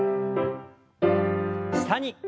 下に。